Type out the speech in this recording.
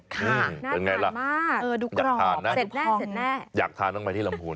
ค่ะเป็นไงล่ะอยากทานต้องไปที่ลำพูน